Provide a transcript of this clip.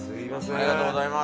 ありがとうございます。